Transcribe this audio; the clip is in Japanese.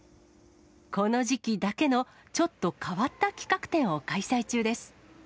この時期だけのちょっと変わった企画展を開催中です。